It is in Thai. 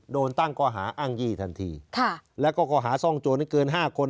โดนตั้งก่อหาอ้างยี่ทันทีค่ะแล้วก็ก่อหาซ่องโจรในเกินห้าคน